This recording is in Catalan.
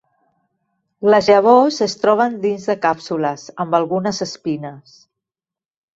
Les llavors es troben dins de càpsules amb algunes espines.